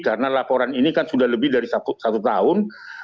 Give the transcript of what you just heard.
karena laporan ini kan sudah lebih dari satu tahun